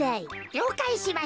りょうかいしました。